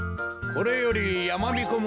これよりやまびこ村